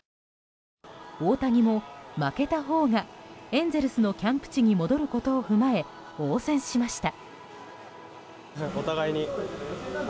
大谷も負けたほうがエンゼルスのキャンプ地に戻ることを踏まえ応戦しました。